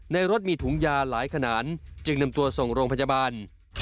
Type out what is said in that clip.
รถมีถุงยาหลายขนาดจึงนำตัวส่งโรงพยาบาล